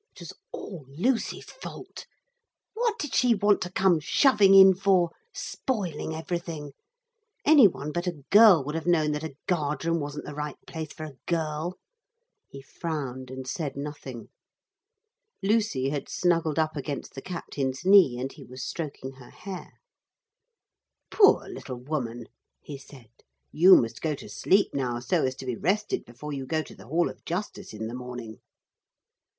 It was all Lucy's fault. What did she want to come shoving in for, spoiling everything? Any one but a girl would have known that a guard room wasn't the right place for a girl. He frowned and said nothing. Lucy had smuggled up against the captain's knee, and he was stroking her hair. 'Poor little woman,' he said. 'You must go to sleep now, so as to be rested before you go to the Hall of Justice in the morning.'